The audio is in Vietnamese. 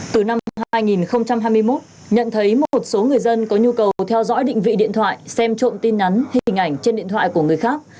từ năm hai nghìn hai mươi một nhận thấy một số người dân có nhu cầu theo dõi định vị điện thoại xem trộm tin nhắn hình ảnh trên điện thoại của người khác